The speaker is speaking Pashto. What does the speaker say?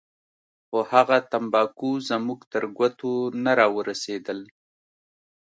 خو هغه تمباکو زموږ تر ګوتو نه راورسېدل.